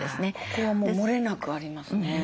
ここはもうもれなくありますね。